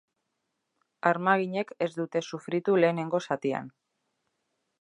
Armaginek ez dute sufritu lehenengo zatian.